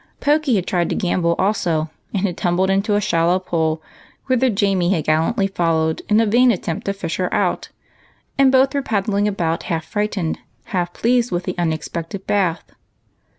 Pokey had tried to gambol also, and had tumbled into a shallow pool, whither Jamie had gallantly followed, in a vain attempt to fish her out, and both were paddling about half frightened, half pleased with the unexpected bath.